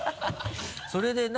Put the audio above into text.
それで何？